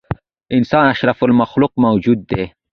انسان اشرف المخلوق موجود دی.